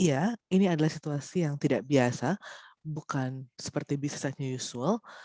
iya ini adalah situasi yang tidak biasa bukan seperti bisnis it usual